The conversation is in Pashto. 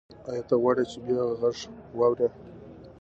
ایا ته غواړې چې بیا غږ واورې؟